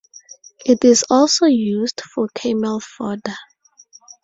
It is also used for camel fodder.